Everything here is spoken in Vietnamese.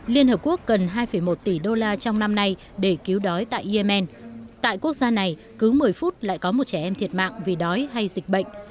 liên hợp quốc cần hai một tỷ đô la trong năm nay để cứu đói tại yemen tại quốc gia này cứ một mươi phút lại có một trẻ em thiệt mạng vì đói hay dịch bệnh